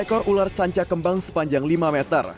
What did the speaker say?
ekor ular sanca kembang sepanjang lima meter